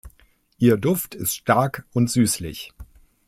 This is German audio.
Ihr Duft ist stark und süßlich.